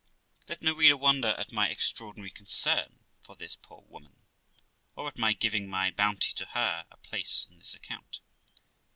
Let no reader wonder at my extraordinary concern for this poor woman, or at my giving my bounty to her a place in this account.